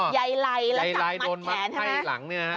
ใยไล่แล้วจับมัดแขนใช่ไหม